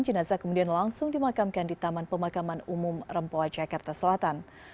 jenazah kemudian langsung dimakamkan di taman pemakaman umum rempoa jakarta selatan